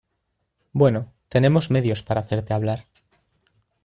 Bueno, tenemos medios para hacerte hablar.